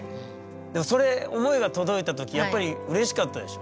でもそれ思いが届いた時やっぱりうれしかったでしょ？